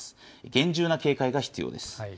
厳重な警戒が必要です。